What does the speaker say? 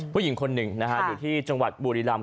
ผู้หญิงคนหนึ่งนะฮะอยู่ที่จังหวัดบุรีรำ